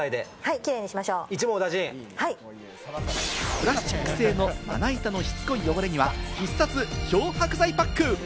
プラスチック製のまな板のしつこい汚れには必殺・漂白剤パック。